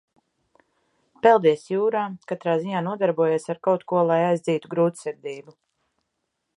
Peldies jūrā, katrā ziņā nodarbojies ar kaut ko, lai aizdzītu grūtsirdību.